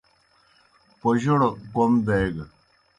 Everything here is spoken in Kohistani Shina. پوجوڑ کوْم دیگہ۔)